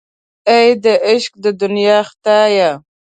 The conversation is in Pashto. اې د عشق د دنیا خدایه.